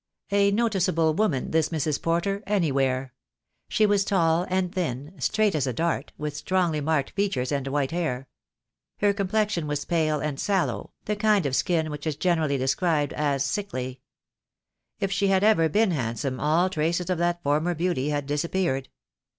A noticeable woman, this Mrs. Porter,' anywhere. She The Day will come. I. 20 306 THE DAY WILL COME. was tall and thin, straight as a dart, with strongly marked features and white hair. Her complexion was pale and sallow, the kind of skin which is generally described as sickly. If she had ever been handsome all traces of that former beauty had disappeared.